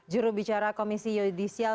jurubicara komisi yudisyal